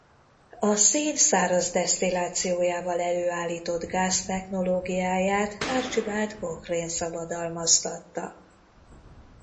A szén száraz desztillációjával előállított gáz technológiáját Archibald Cochrane szabadalmaztatta.